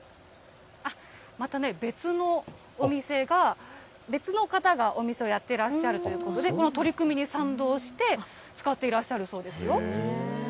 またね、別のお店が、別の方がお店をやってらっしゃるということで、この取り組みに賛同して、使っていらっしゃるそうですよ。